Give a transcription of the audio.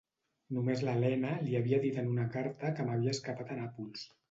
Només l'Elena li havia dit en una carta que m'havia escapat a Nàpols.